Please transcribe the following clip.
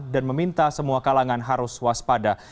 dan meminta semua kalangan harus waspada